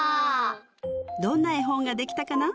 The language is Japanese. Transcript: どんな絵本ができたかな？